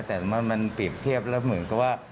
แต่มันเปรียบเทียบแล้วเหมือนกับว่า